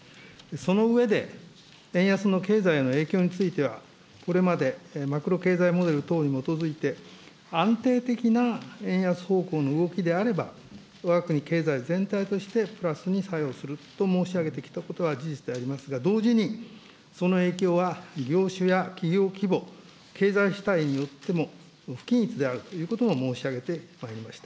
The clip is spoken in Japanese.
その上で、円安の経済への影響については、これまでマクロ経済モデル等に基づいて、安定的な円安方向の動きであれば、わが国経済全体としてプラスに作用すると申し上げてきたことは事実でありますが、同時に、その影響は業種や企業規模、経済主体によっても、不均一であるということは申し上げております。